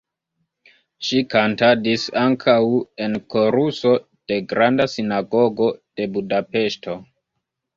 Ŝi kantadis ankaŭ en koruso de Granda Sinagogo de Budapeŝto.